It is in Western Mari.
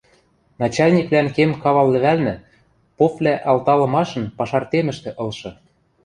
Начальниквлӓн кем кавал лӹвӓлнӹ, попвлӓ алталымашын пашартемӹштӹ ылшы